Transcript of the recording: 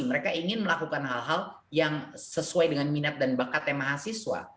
mereka ingin melakukan hal hal yang sesuai dengan minat dan bakatnya mahasiswa